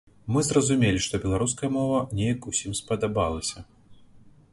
Мы зразумелі, што беларуская мова неяк усім спадабалася.